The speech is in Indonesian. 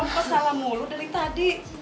apa salah mulu dari tadi